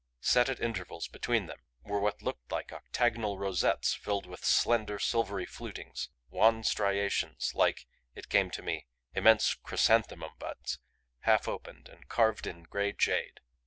Set at intervals between them were what looked like octagonal rosettes filled with slender silvery flutings, wan striations like it came to me immense chrysanthemum buds, half opened, and carved in gray jade.